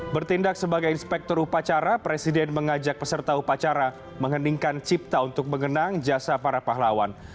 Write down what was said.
bertindak sebagai inspektur upacara presiden mengajak peserta upacara menghendingkan cipta untuk mengenang jasa para pahlawan